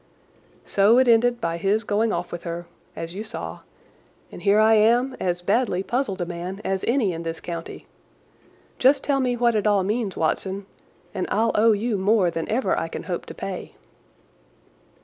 So it ended by his going off with her, as you saw, and here am I as badly puzzled a man as any in this county. Just tell me what it all means, Watson, and I'll owe you more than ever I can hope to pay."